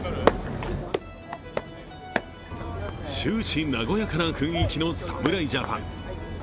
終始和やかな雰囲気の侍ジャパン。